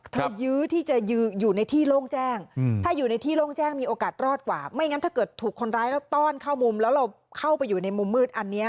ยื้อที่จะอยู่ในที่โล่งแจ้งถ้าอยู่ในที่โล่งแจ้งมีโอกาสรอดกว่าไม่งั้นถ้าเกิดถูกคนร้ายแล้วต้อนเข้ามุมแล้วเราเข้าไปอยู่ในมุมมืดอันนี้